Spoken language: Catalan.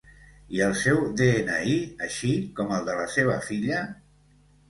I el seu de-ena-i, així com el de la seva filla?